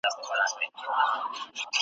¬ خواري کې هغه مينځي، چي دمينځي کالي مينځي.